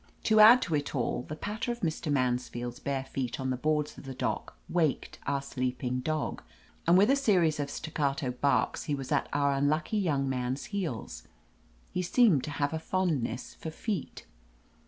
To add to it all, the patter of Mr. Mansfield's bare feet on the boards of the dock waked our sleeping dog, and with a series of staccato barks he was at our unlucky young man's heels. He seemed to have a fondness for feet.